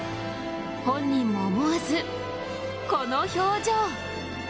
本人も思わず、この表情。